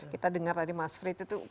kita dengar tadi mas frit itu